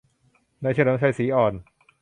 นายเฉลิมชัย ศรีอ่อน